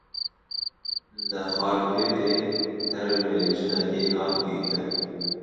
Li Xarpêtê termê jinekê hat dîtin.